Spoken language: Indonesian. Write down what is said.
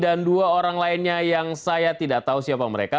dan dua orang lainnya yang saya tidak tahu siapa mereka